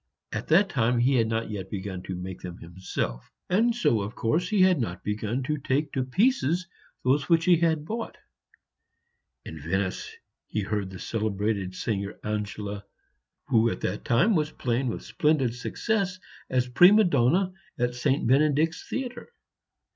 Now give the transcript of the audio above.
At that time he had not yet begun to make them himself, and so of course he had not begun to take to pieces those which he bought. In Venice he heard the celebrated singer Angela i, who at that time was playing with splendid success as prima donna at St. Benedict's Theatre.